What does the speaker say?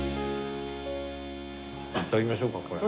いただきましょうかこれ。